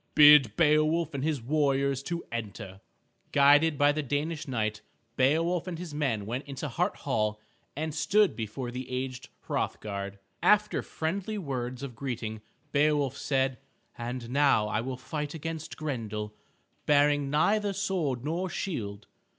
Bid Beowulf and his warriors to enter." Guided by the Danish knight, Beowulf and his men went into Hart Hall and stood before the aged Hrothgar. After friendly words of greeting Beowulf said, "And now will I fight against Grendel, bearing neither sword nor shield.